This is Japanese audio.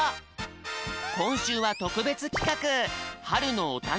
こんしゅうはとくべつきかく。